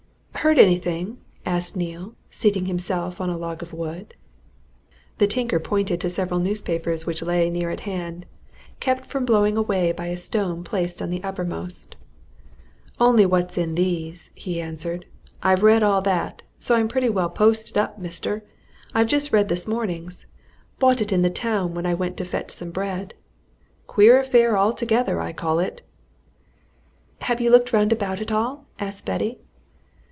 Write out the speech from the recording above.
"Heard anything?" asked Neale, seating himself on a log of wood. The tinker pointed to several newspapers which lay near at hand, kept from blowing away by a stone placed on the uppermost. "Only what's in these," he answered. "I've read all that so I'm pretty well posted up, mister. I've just read this morning's bought it in the town when I went to fetch some bread. Queer affair altogether, I call it!" "Have you looked round about at all?" asked Betty.